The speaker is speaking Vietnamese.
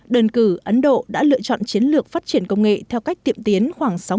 đơn cử ấn độ đã lựa chọn chiến lược phát triển công nghệ theo cách tiệm tiến khoảng sáu mươi